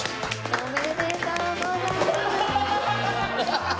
おめでとうございます。